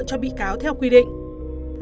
cho bị cáo theo quy định